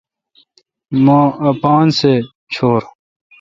مہ اپاسہ چور۔